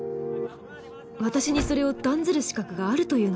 私にそれを断ずる資格があるというのか？